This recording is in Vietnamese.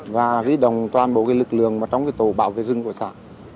và viết đồng toàn bộ lực lượng trong tổ bảo vệ rừng của xã hải trường